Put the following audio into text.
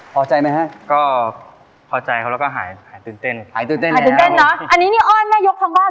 ฝากฝนกัน